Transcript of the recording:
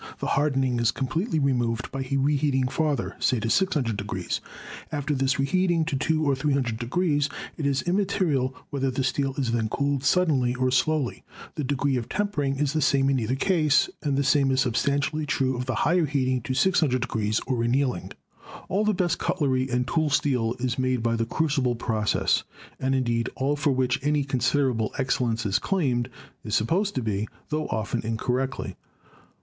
the hardening is completely removed, by reheating farther, say to 600 . After this reheating to 200 or 300 it is immaterial whether the steel is then cooled suddenly or slowly; the degree of tempering is the same in either case, and the same is substantially true of the higher heating to 6oo°, or annealing. All the best cutlery and tool steel is made by the crucible process, and indeed all for which any considerable excel lence is claimed is supposed to be, tho often incorrectly.